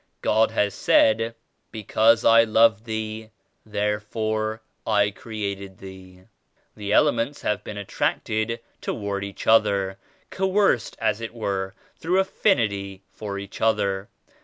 God has said ^Because I loved thee therefore I created thee.' The elements have been attracted toward each other; coerced as it were through affinity for each other.